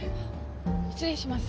失礼します。